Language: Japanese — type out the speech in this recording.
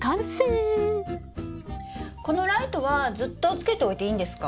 このライトはずっとつけておいていいんですか？